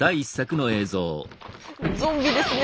ゾンビですねえ。